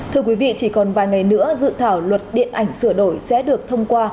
thưa quý vị chỉ còn vài ngày nữa dự thảo luật điện ảnh sửa đổi sẽ được thông qua